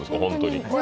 本当に。